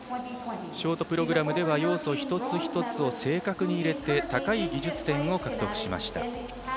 ショートプログラムでは要素一つ一つを正確に入れて高い技術点を獲得しました。